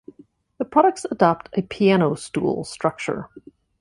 The products adopt a "piano-stool" structure.